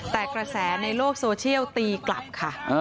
แต่กระแสในโลกโซเชียลตีกลับค่ะ